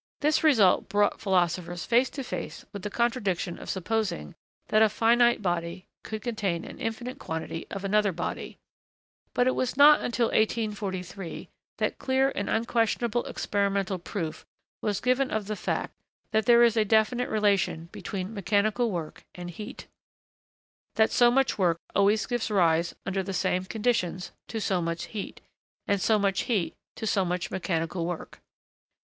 This result brought philosophers face to face with the contradiction of supposing that a finite body could contain an infinite quantity of another body; but it was not until 1843, that clear and unquestionable experimental proof was given of the fact that there is a definite relation between mechanical work and heat; that so much work always gives rise, under the same conditions, to so much heat, and so much heat to so much mechanical work.